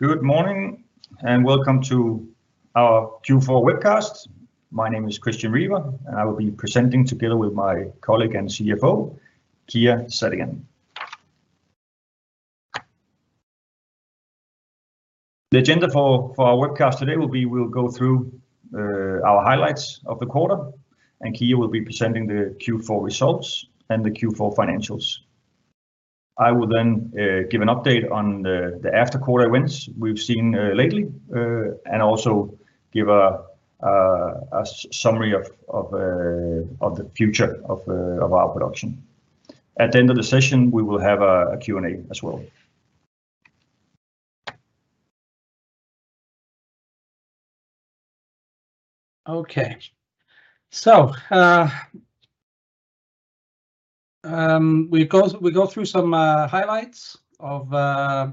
Good morning. Welcome to our Q4 Webcast. My name is Christian Riber. I will be presenting together with my colleague and CFO, Kia Zadegan. The agenda for our webcast today will be we'll go through our highlights of the quarter. Kia will be presenting the Q4 results and the Q4 financials. I will then give an update on the after-quarter events we've seen lately and also give a summary of the future of our production. At the end of the session, we will have a Q&A as well. We go through some highlights of the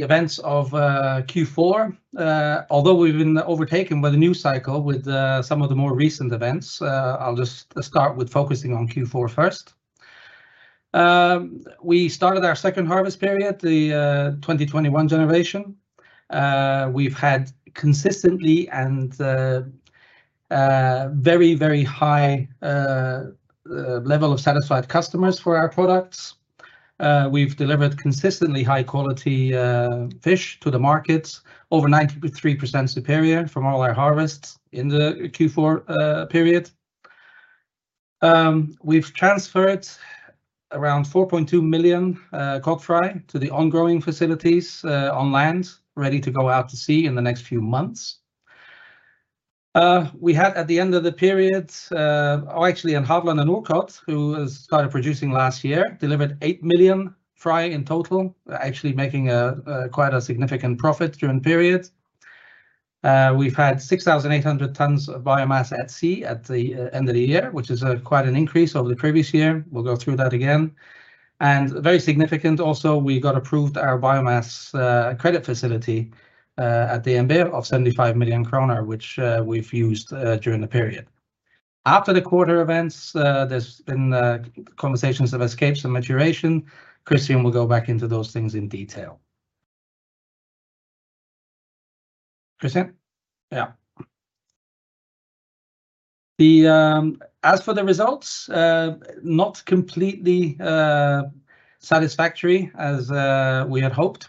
events of Q4. Although we've been overtaken by the new cycle with some of the more recent events, I'll just start with focusing on Q4 first. We started our second harvest period, the 2021 generation. We've had consistently and very, very high level of satisfied customers for our products. We've delivered consistently high-quality fish to the markets, over 93% superior from all our harvests in the Q4 period. We've transferred around 4.2 million cod fry to the ongoing facilities on land, ready to go out to sea in the next few months. We had at the end of the period. Havlandet and Norcod, who has started producing last year, delivered 8 million fry in total, actually making a quite a significant profit during the period. We've had 6,800 tons of biomass at sea at the end of the year, which is quite an increase over the previous year. We'll go through that again. Very significant also, we got approved our biomass credit facility at the end there of 75 million kroner, which we've used during the period. After the quarter events, there's been conversations of escapes and maturation. Christian will go back into those things in detail. Christian. As for the results, not completely satisfactory as we had hoped.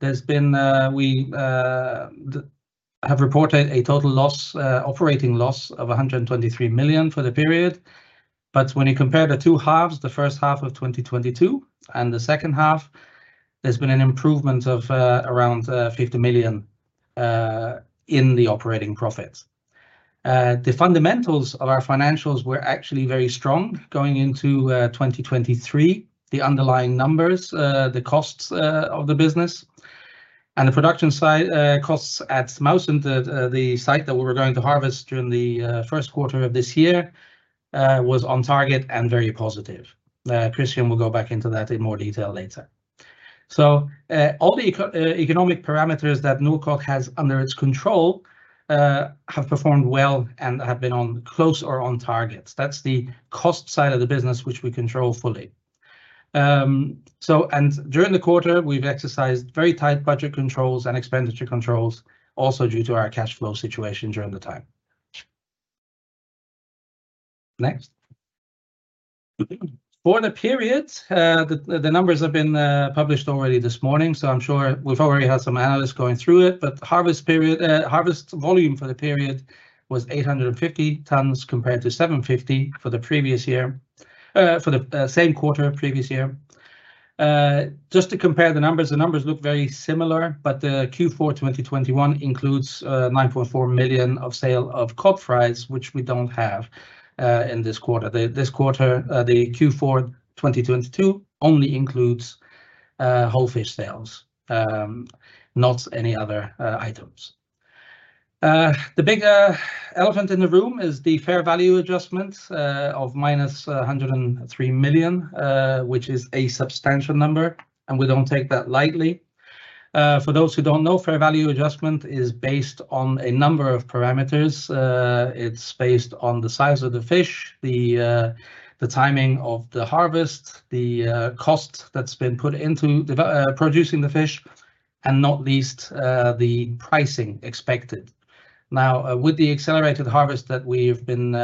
There's been, we have reported a total loss, operating loss of 123 million for the period. When you compare the two 1/2, the first half of 2022 and the second half, there's been an improvement of around 50 million in the operating profits. The fundamentals of our financials were actually very strong going into 2023. The underlying numbers, the costs of the business and the production side, costs at Mausund, the site that we were going to harvest during the first quarter of this year, was on target and very positive. Christian will go back into that in more detail later. All the economic parameters that Norcod has under its control have performed well and have been on close or on targets. That's the cost side of the business which we control fully. During the quarter, we've exercised very tight budget controls and expenditure controls also due to our cash flow situation during the time. Next. For the period, the numbers have been published already this morning, so I'm sure we've already had some analysts going through it. Harvest period, harvest volume for the period was 850 tons compared to 750 for the previous year, for the same quarter previous year. Just to compare the numbers, the numbers look very similar, but the Q4 2021 includes 9.4 million of sale of cod fry, which we don't have in this quarter. This quarter, the Q4 2022 only includes whole fish sales, not any other items. The big elephant in the room is the fair value adjustment of -103 million, which is a substantial number, and we don't take that lightly. For those who don't know, fair value adjustment is based on a number of parameters. It's based on the size of the fish, the timing of the harvest, the cost that's been put into producing the fish, and not least, the pricing expected. Now, with the accelerated harvest that we've been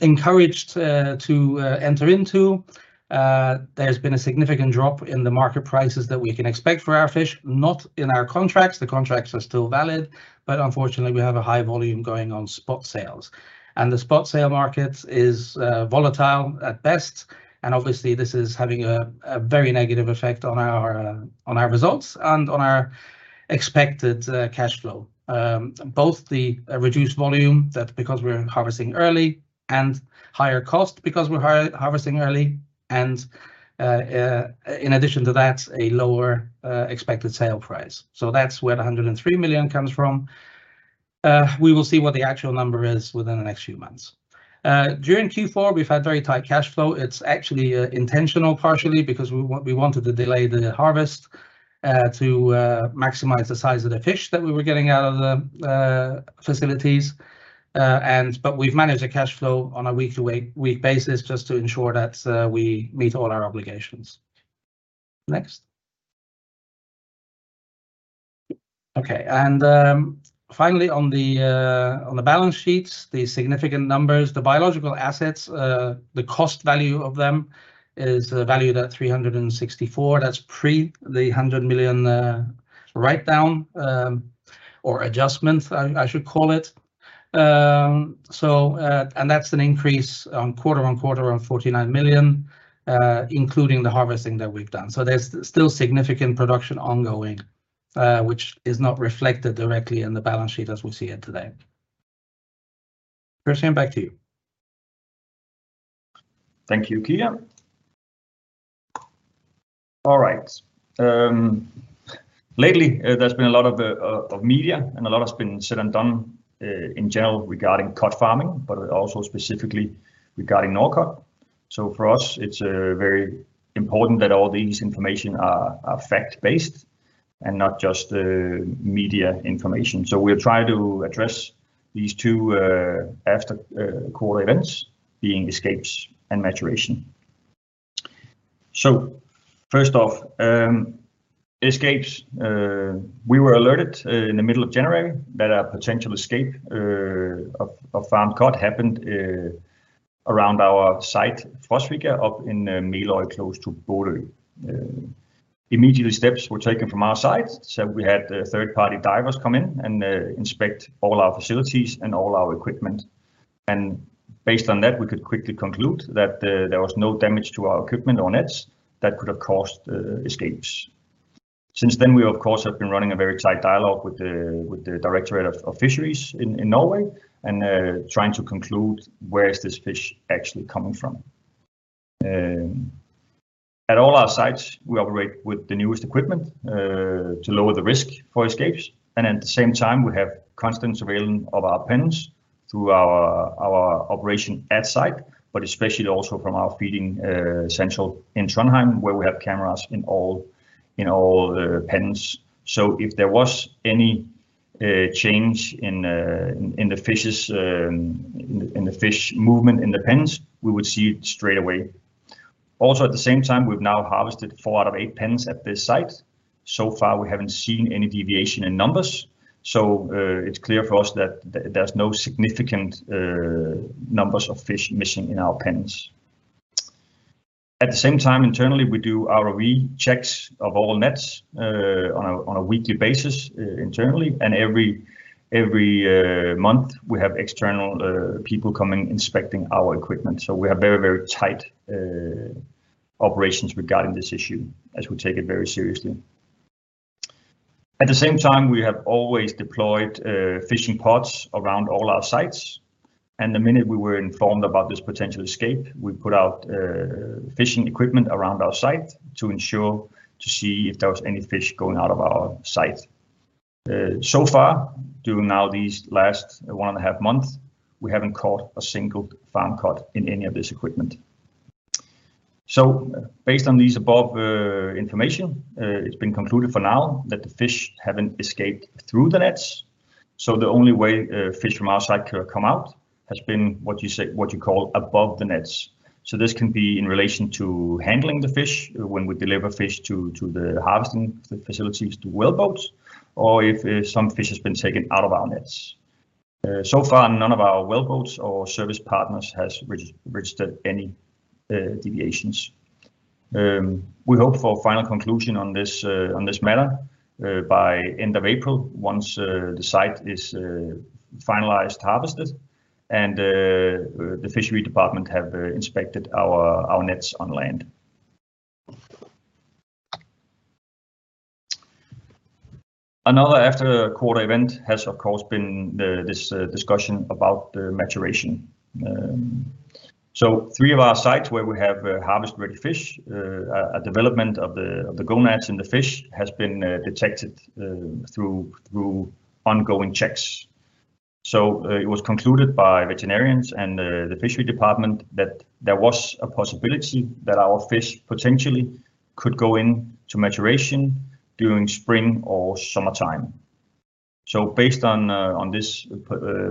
encouraged to enter into, there's been a significant drop in the market prices that we can expect for our fish. Not in our contracts, the contracts are still valid, but unfortunately, we have a high volume going on spot sales. The spot sale market is volatile at best, and obviously, this is having a very negative effect on our results and on our expected cash flow. Both the reduced volume that because we're harvesting early and higher cost because we're harvesting early and in addition to that, a lower expected sale price. That's where the 103 million comes from. We will see what the actual number is within the next few months. During Q4, we've had very tight cash flow. It's actually intentional partially because we wanted to delay the harvest. To maximize the size of the fish that we were getting out of the facilities. But we've managed the cash flow on a week-to-week basis just to ensure that we meet all our obligations. Next. Finally on the balance sheets, the significant numbers, the biological assets, the cost value of them is valued at 364. That's pre the 100 million write down or adjustment, I should call it. That's an increase on quarter-on-quarter of 49 million including the harvesting that we've done. There's still significant production ongoing which is not reflected directly in the balance sheet as we see it today. Christian, back to you. Thank you, Kia. All right. Lately there's been a lot of media, and a lot has been said and done in general regarding cod farming, but also specifically regarding Norcod. For us, it's very important that all this information are fact-based and not just the media information. We'll try to address these two after core events being escapes and maturation. First off, escapes. We were alerted in the middle of January that a potential escape of farmed cod happened around our site for Frosvika up in Meløy, close to Bodø. Immediately steps were taken from our side. We had third party divers come in and inspect all our facilities and all our equipment. Based on that, we could quickly conclude that there was no damage to our equipment or nets that could have caused escapes. Since then, we of course, have been running a very tight dialogue with the Directorate of Fisheries in Norway and trying to conclude where is this fish actually coming from. At all our sites, we operate with the newest equipment to lower the risk for escapes. At the same time we have constant surveillance of our pens through our operation at site, but especially also from our feeding central in Trondheim, where we have cameras in all the pens. If there was any change in the fishes, in the fish movement in the pens, we would see it straight away. Also, at the same time, we've now harvested 4 out of 8 pens at this site. So far we haven't seen any deviation in numbers. It's clear for us that there's no significant, numbers of fish missing in our pens. At the same time, internally, we do our rechecks of all nets, on a weekly basis, internally and every month we have external, people coming inspecting our equipment. We have very, very tight, operations regarding this issue as we take it very seriously. At the same time, we have always deployed, fishing pods around all our sites. The minute we were informed about this potential escape, we put out, fishing equipment around our site to ensure to see if there was any fish going out of our site. So far during now these last 1.5 Months, we haven't caught a single farm cod in any of this equipment. Based on these above information, it's been concluded for now that the fish haven't escaped through the nets. The only way fish from our site could come out has been what you say, what you call above the nets. This can be in relation to handling the fish when we deliver fish to the harvesting facilities, to wellboats, or if some fish has been taken out of our nets. So far none of our wellboats or service partners has registered any deviations. We hope for final conclusion on this matter by end of April once the site is finalized, harvested and the Directorate of Fisheries have inspected our nets on land. Another after quarter event has of course been the discussion about the maturation. Three of our sites where we have harvest-ready fish, a development of the gonads in the fish has been detected through ongoing checks. It was concluded by veterinarians and the Fisheries Department that there was a possibility that our fish potentially could go into maturation during spring or summertime. Based on this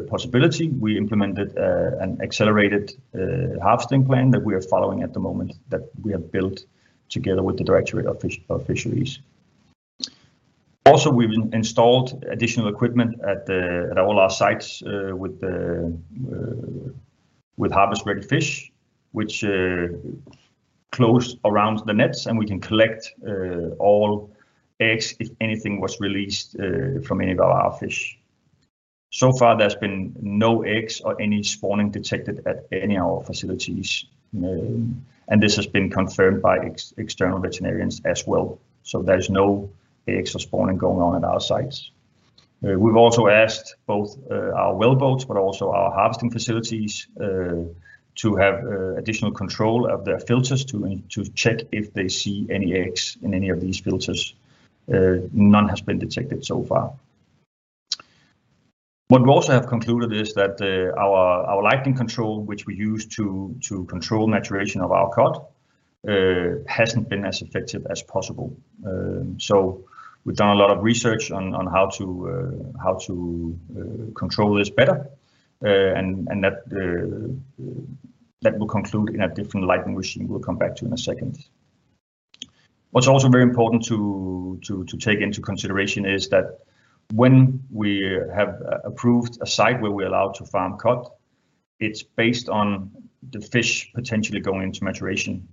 possibility, we implemented an accelerated harvesting plan that we are following at the moment that we have built together with the Directorate of Fisheries. We've installed additional equipment at all our sites with harvest-ready fish which close around the nets, and we can collect all eggs if anything was released from any of our fish. Far there's been no eggs or any spawning detected at any of our facilities. This has been confirmed by external veterinarians as well. There's no eggs or spawning going on at our sites. We've also asked both our wellboats, but also our harvesting facilities, to have additional control of their filters to check if they see any eggs in any of these filters. None has been detected so far. What we also have concluded is that our lighting control, which we use to control maturation of our cod, hasn't been as effective as possible. We've done a lot of research on how to control this better. That will conclude in a different lighting machine we'll come back to in a second. What's also very important to take into consideration is that when we have approved a site where we're allowed to farm cod, it's based on the fish potentially going into maturation.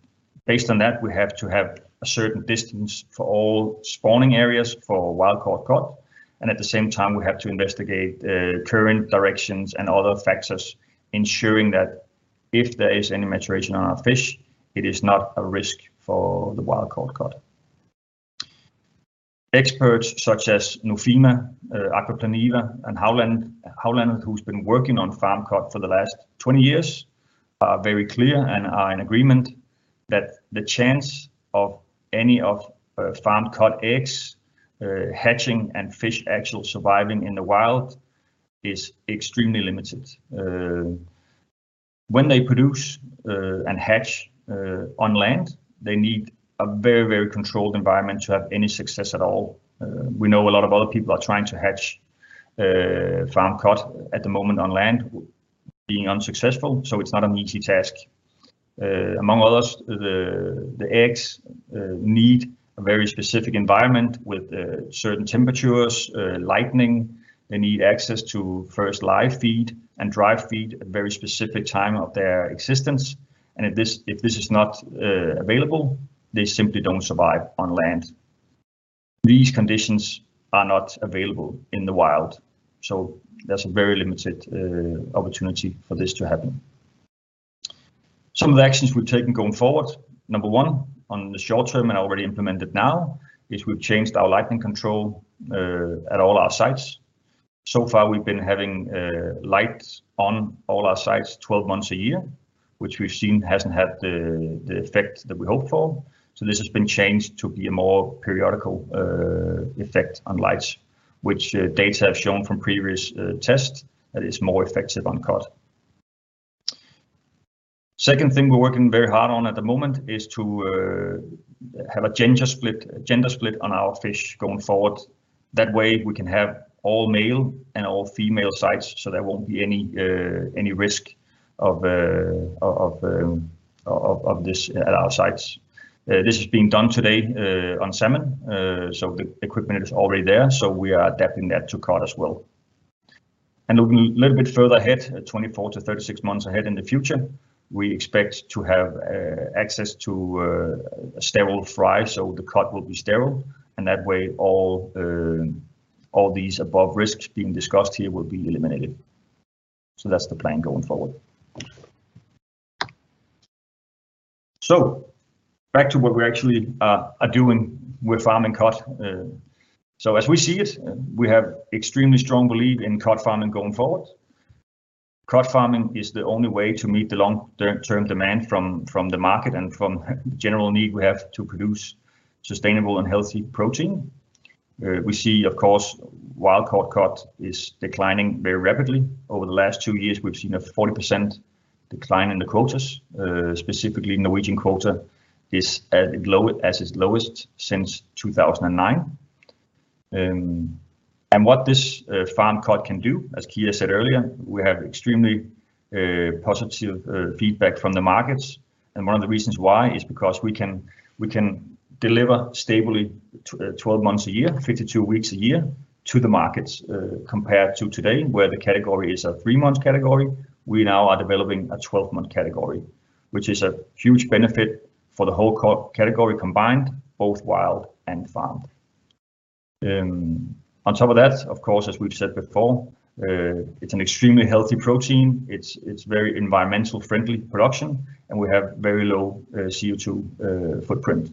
Based on that, we have to have a certain distance for all spawning areas for wild caught cod. At the same time, we have to investigate current directions and other factors ensuring that if there is any maturation on our fish, it is not a risk for the wild-caught cod. Experts such as Nofima, Akvaplan-niva and Havlandet, who's been working on farmed cod for the last 20 years, are very clear and are in agreement that the chance of any of farmed cod eggs hatching and fish actual surviving in the wild is extremely limited. When they produce and hatch on land, they need a very, very controlled environment to have any success at all. We know a lot of other people are trying to hatch farmed cod at the moment on land, being unsuccessful, so it's not an easy task. Among others, the eggs need a very specific environment with certain temperatures, lighting. They need access to first live feed and dry feed at very specific time of their existence. If this is not available, they simply don't survive on land. These conditions are not available in the wild. There's a very limited opportunity for this to happen. Some of the actions we've taken going forward, number one, on the short term and already implemented now, is we've been having lights on all our sites 12 months a year, which we've seen hasn't had the effect that we hoped for. This has been changed to be a more periodical effect on lights, which data have shown from previous tests that is more effective on cod. Second thing we're working very hard on at the moment is to have a gender split on our fish going forward. That way, we can have all male and all female sites, so there won't be any risk of this at our sites. This is being done today on salmon. The equipment is already there, so we are adapting that to cod as well. Looking a little bit further ahead, at 24-36 months ahead in the future, we expect to have access to a sterile fry, so the cod will be sterile. That way, all these above risks being discussed here will be eliminated. That's the plan going forward. Back to what we actually are doing with farming cod. As we see it, we have extremely strong belief in cod farming going forward. Cod farming is the only way to meet the long-term demand from the market and from general need we have to produce sustainable and healthy protein. We see, of course, wild-caught cod is declining very rapidly. Over the last two years, we've seen a 40% decline in the quotas. Specifically Norwegian quota is at its lowest since 2009. What this farm cod can do, as Kia said earlier, we have extremely positive feedback from the markets, and one of the reasons why is because we can deliver stably 12 months a year, 52 weeks a year to the markets. Compared to today, where the category is a three-month category, we now are developing a 12-month category, which is a huge benefit for the whole category combined, both wild and farmed. On top of that, of course, as we've said before, it's an extremely healthy protein. It's very environmental friendly production, and we have very low CO2 footprint.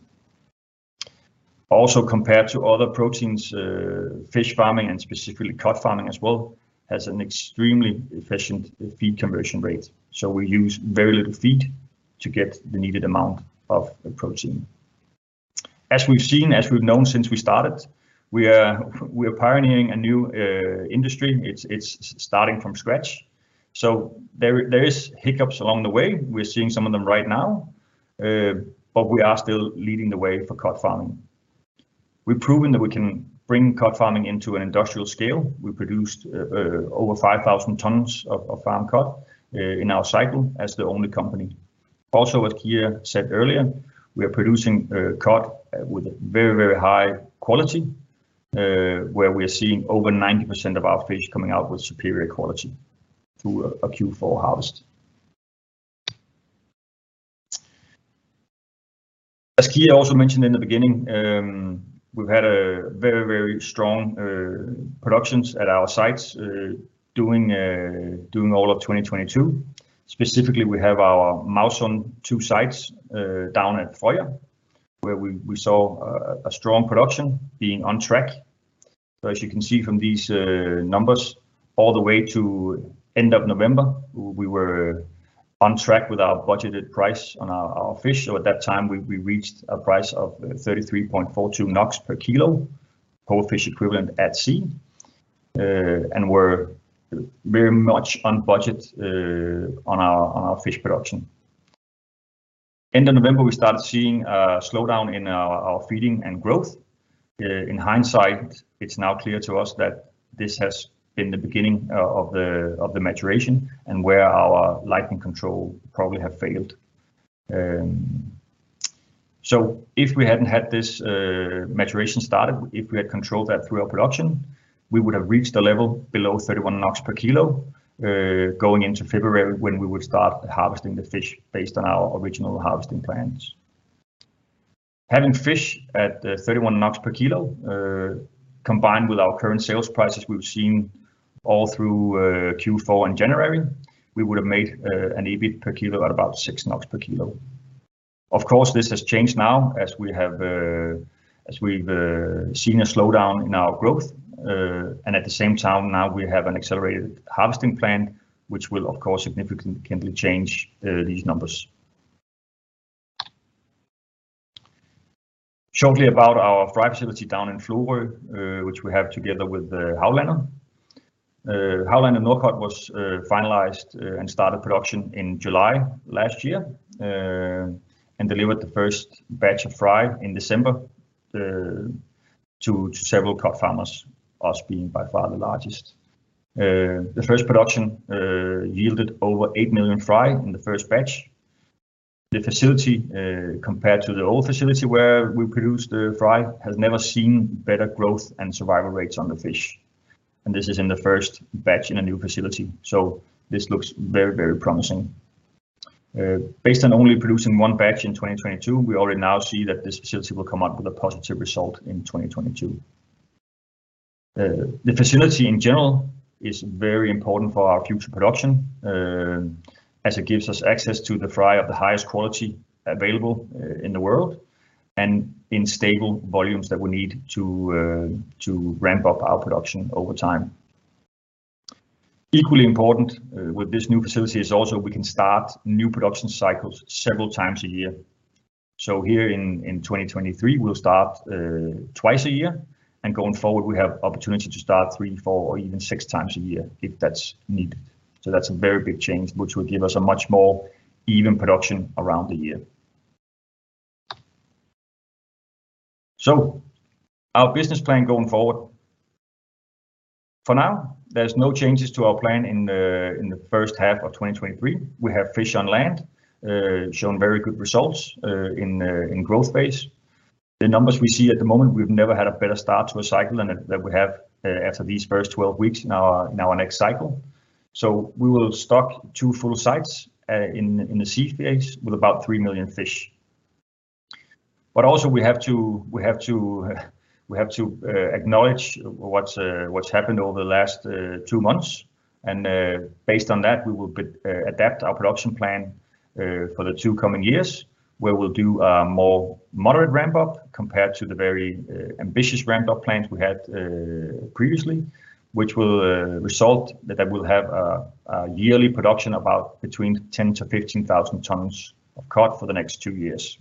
Compared to other proteins, fish farming and specifically cod farming as well, has an extremely efficient feed conversion ratio. We use very little feed to get the needed amount of the protein. We've seen, as we've known since we started, we are pioneering a new industry. It's starting from scratch. There is hiccups along the way. We're seeing some of them right now. We are still leading the way for cod farming. We've proven that we can bring cod farming into an industrial scale. We produced over 5,000 tons of farm cod in our cycle as the only company. Also, as Kia said earlier, we are producing cod with very, very high quality, where we're seeing over 90% of our fish coming out with superior quality through a Q4 harvest. As Kia also mentioned in the beginning, we've had a very, very strong productions at our sites during all of 2022. Specifically, we have our Mausund 2 sites down at Frøya, where we saw a strong production being on track. As you can see from these numbers, all the way to end of November, On track with our budgeted price on our fish. At that time, we reached a price of 33.42 NOK per kilo, whole fish equivalent at sea. We're very much on budget on our fish production. End of November, we started seeing a slowdown in our feeding and growth. In hindsight, it's now clear to us that this has been the beginning of the maturation and where our lighting control probably have failed. If we hadn't had this maturation started, if we had controlled that through our production, we would have reached a level below 31 NOK per kilo going into February, when we would start harvesting the fish based on our original harvesting plans. Having fish at 31 per kilo combined with our current sales prices we've seen all through Q4 and January, we would have made an EBIT per kilo at about 6 NOK per kilo. Of course, this has changed now as we have as we've seen a slowdown in our growth. At the same time now we have an accelerated harvesting plan, which will of course, significantly change these numbers. Shortly about our fry facility down in Florø, which we have together with Havlandet. Havlandet Norcod was finalized and started production in July last year. Delivered the first batch of fry in December to several cod farmers, us being by far the largest. The first production yielded over 8 million fry in the first batch. The facility, compared to the old facility where we produced the fry, has never seen better growth and survival rates on the fish. This is in the first batch in a new facility. This looks very, very promising. Based on only producing one batch in 2022, we already now see that this facility will come out with a positive result in 2022. The facility in general is very important for our future production, as it gives us access to the fry of the highest quality available in the world and in stable volumes that we need to ramp up our production over time. Equally important with this new facility is also we can start new production cycles several times a year. Here in 2023, we'll start twice a year, and going forward, we have opportunity to start 3x, 4x or even 6x a year if that's needed. That's a very big change, which will give us a much more even production around the year. Our business plan going forward. For now, there's no changes to our plan in the first half of 2023. We have fish on land, showing very good results in growth phase. The numbers we see at the moment, we've never had a better start to a cycle than we have after these first 12 weeks in our next cycle. We will stock two full sites in the sea phase with about 3 million fish. Also we have to acknowledge what's happened over the last two months. Based on that, we will adapt our production plan for the two coming years, where we'll do a more moderate ramp up compared to the very ambitious ramp up plans we had previously, which will result that we'll have a yearly production about between 10,000-15,000 tons of cod for the next two years.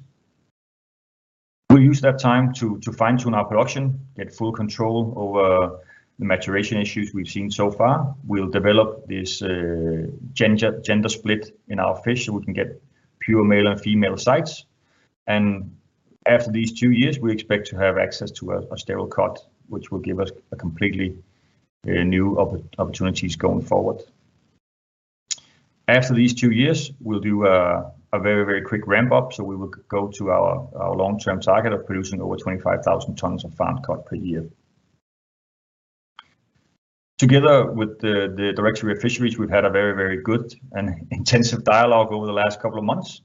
We'll use that time to fine-tune our production, get full control over the maturation issues we've seen so far. We'll develop this gender split in our fish so we can get pure male and female sites. After these two years, we expect to have access to a sterile cod, which will give us completely new opportunities going forward. After these two years, we'll do a very quick ramp-up. We will go to our long-term target of producing over 25,000 tons of farmed cod per year. Together with the Directorate of Fisheries, we've had a very good and intensive dialogue over the last couple of months.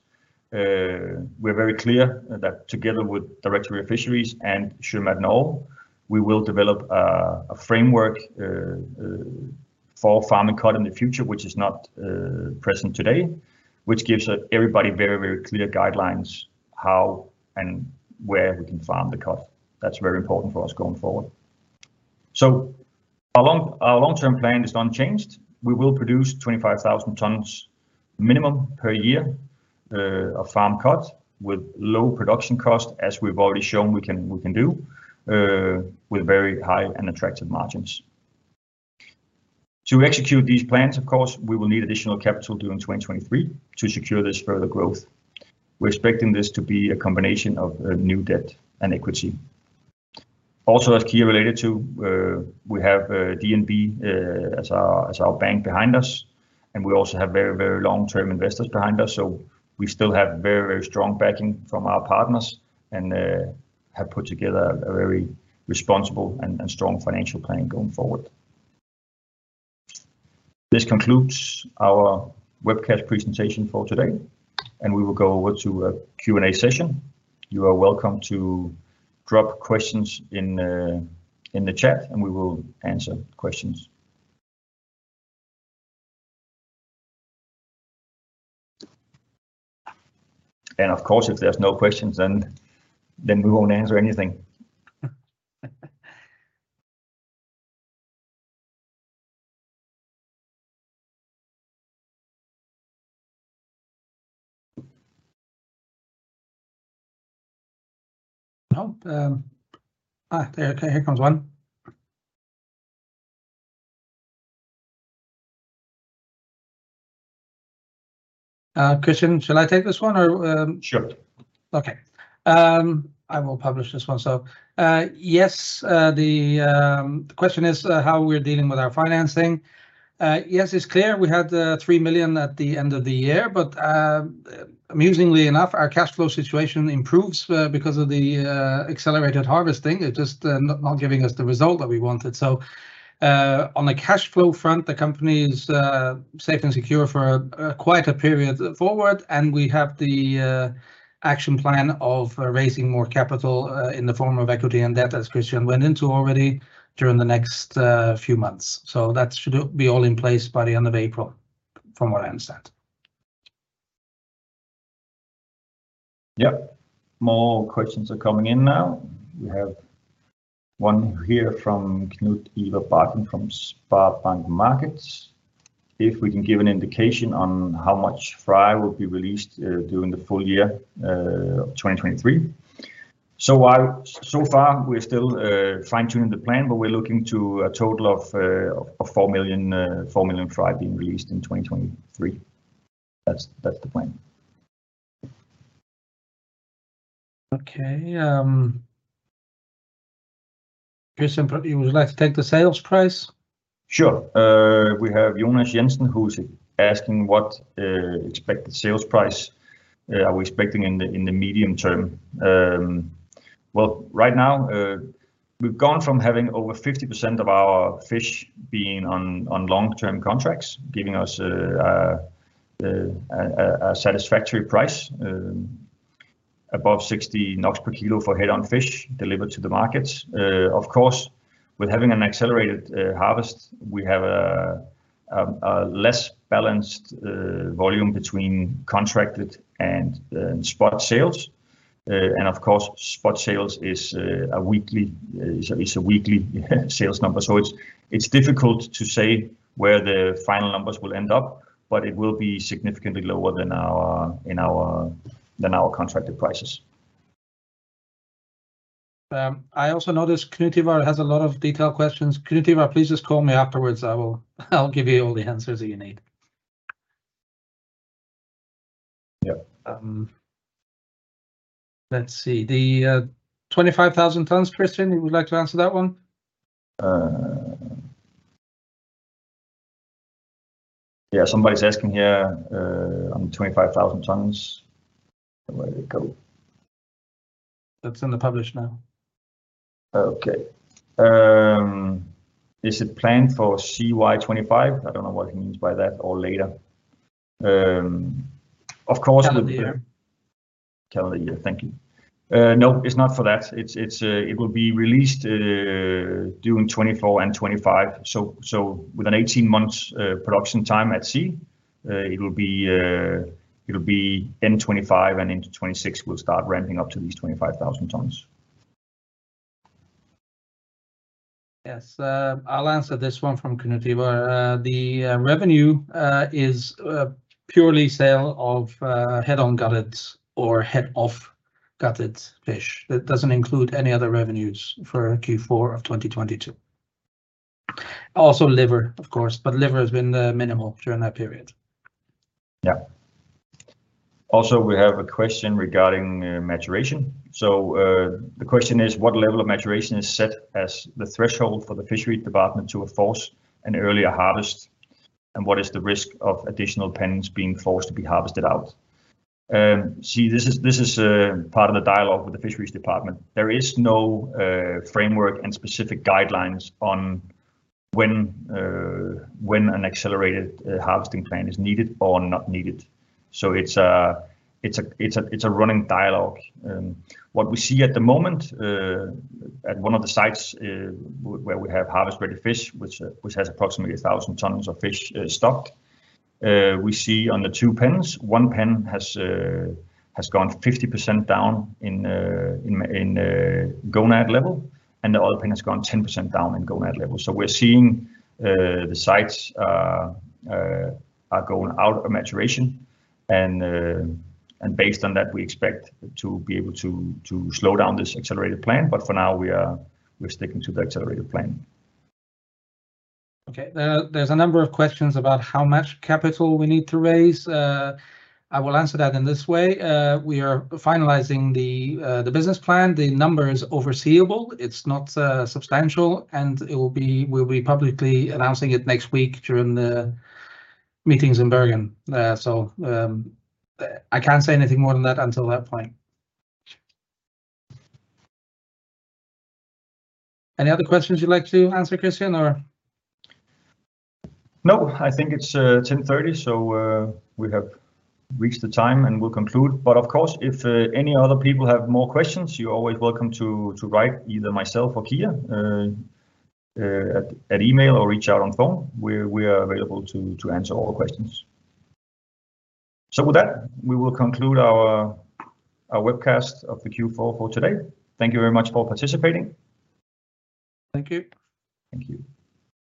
We're very clear that together with Directorate of Fisheries and Sjømat Norge, we will develop a framework for farming cod in the future, which is not present today, which gives everybody very clear guidelines how and where we can farm the cod. That's very important for us going forward. Our long-term plan is unchanged. We will produce 25,000 tons minimum per year of farmed cod with low production cost, as we've already shown we can do with very high and attractive margins. To execute these plans, of course, we will need additional capital during 2023 to secure this further growth. We're expecting this to be a combination of new debt and equity. That's key related to we have DNB as our bank behind us, and we also have very, very long-term investors behind us. We still have very, very strong backing from our partners and have put together a very responsible and strong financial plan going forward. This concludes our webcast presentation for today, and we will go over to a Q&A session. You are welcome to drop questions in the chat and we will answer questions. Of course, if there's no questions, then we won't answer anything. No. there. Here comes one. Christian, shall I take this one? Sure. I will publish this one. Yes, the question is how we're dealing with our financing. Yes, it's clear we had 3 million at the end of the year, but, amusingly enough, our cash flow situation improves, because of the accelerated harvesting. It just not giving us the result that we wanted. On the cash flow front, the company's safe and secure for quite a period forward, and we have the action plan of raising more capital, in the form of equity and debt, as Christian went into already, during the next few months. That should be all in place by the end of April, from what I understand. More questions are coming in now. We have one here from Knut Ivar Bakken from SpareBank1 Markets. If we can give an indication on how much fry will be released during the full year 2023. Far we're still fine-tuning the plan, but we're looking to a total of 4 million fry being released in 2023. That's the plan. Christian, would you like to take the sales price? Sure. We have Jonas Jønsberg who's asking what expected sales price are we expecting in the medium term. Well, right now, we've gone from having over 50% of our fish being on long-term contracts, giving us a satisfactory price above 60 NOK per kilo for head-on fish delivered to the markets. Of course, with having an accelerated harvest, we have a less balanced volume between contracted and spot sales. Of course, spot sales is a weekly, it's a weekly sales number. It's difficult to say where the final numbers will end up, but it will be significantly lower than our contracted prices. I also noticed Knut Ivar has a lot of detailed questions. Knut Ivar, please just call me afterwards. I'll give you all the answers that you need. Let's see. The 25,000 tons, Christian, would you like to answer that one? Somebody's asking here, on the 25,000 tons. Where did it go? That's in the publish now. Is it planned for CY 2025? I don't know what he means by that, or later. Calendar year. Thank you. No, it's not for that. It will be released during 2024 and 2025. With an 18-month production time at sea, it'll be end 2025 and into 2026 we'll start ramping up to these 25,000 tons. Yes. I'll answer this one from Knut Ivar. The revenue is purely sale of head-on gutted or head-off gutted fish. That doesn't include any other revenues for Q4 of 2022. Liver, of course, but liver has been minimal during that period. Also, we have a question regarding maturation. The question is, what level of maturation is set as the threshold for the Fisheries Department to enforce an earlier harvest, and what is the risk of additional pens being forced to be harvested out? See, this is part of the dialogue with the Fisheries Department. There is no framework and specific guidelines on when an accelerated harvesting plan is needed or not needed. It's a running dialogue. moment, at one of the sites where we have harvested fish, which has approximately 1,000 tons of fish stocked, we see on the two pens, one pen has gone 50% down in gonad level, and the other pen has gone 10% down in gonad level. We are seeing the sites are going out of maturation and based on that, we expect to be able to slow down this accelerated plan, but for now, we are sticking to the accelerated plan There's a number of questions about how much capital we need to raise. I will answer that in this way. We are finalizing the business plan. The number is overseeable. It's not substantial, and we'll be publicly announcing it next week during the meetings in Bergen. I can't say anything more than that until that point. Any other questions you'd like to answer, Christian, or? No. I think it's 10:30, so we have reached the time, and we'll conclude. Of course, if any other people have more questions, you're always welcome to write either myself or Kia, at email or reach out on phone. We are available to answer all questions. With that, we will conclude our webcast of the Q4 for today. Thank you very much for participating. Thank you. Thank you.